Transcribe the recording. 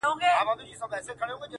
سړي خلګو ته ویله لاس مو خلاص دئ,